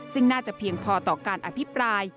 ซึ่งน่าจะเพียงพอต่อการอภิปราย